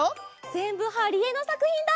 ぜんぶはりえのさくひんだ。